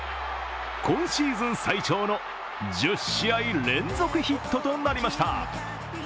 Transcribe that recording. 今シーズン最長の１０試合連続ヒットとなりました。